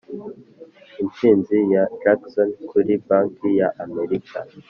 intsinzi ya jackson kuri banki ya amerika